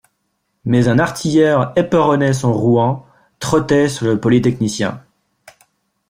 Mais un artilleur éperonnait son rouan, trottait sur le polytechnicien.